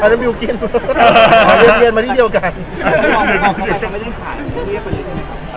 ใช่ต้องบอกก็คือค่ะเนี่ยคือครับ